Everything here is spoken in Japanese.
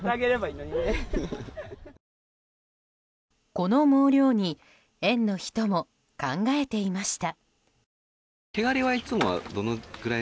この毛量に園の人も考えていました。